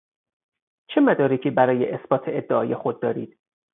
چه مدارکی برای اثبات ادعای خود دارید؟